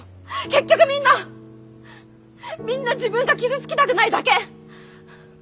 結局みんなみんな自分が傷つきたくないだけ。